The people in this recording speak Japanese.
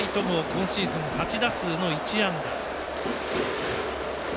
今シーズン８打数の１安打。